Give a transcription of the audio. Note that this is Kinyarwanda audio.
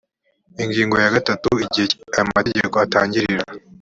ingingo ya gatatu igihe aya mategeko atangirira